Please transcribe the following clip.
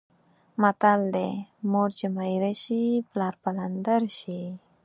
متل دی: مور چې میره شي پلار پلندر شي.